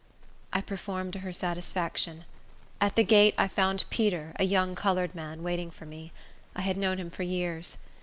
I performed to her satisfaction. At the gate I found Peter, a young colored man, waiting for me. I had known him for years.